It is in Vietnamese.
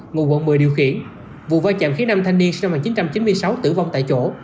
ngụ quận một mươi điều khiển vụ vai chạm khiến năm thanh niên sinh năm một nghìn chín trăm chín mươi sáu tử vong tại chỗ